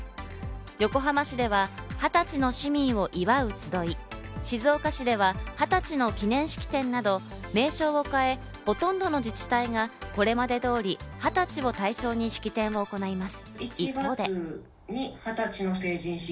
横浜市では二十歳の市民を祝うつどい、静岡市では二十歳の記念式典など、名称を変え、ほとんどの自治体がこれまで通り二十歳を対象に式典を行います。